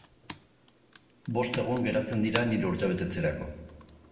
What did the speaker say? Bost egun geratzen dira nire urtebetetzerako.